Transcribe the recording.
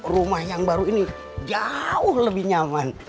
rumah yang baru ini jauh lebih nyaman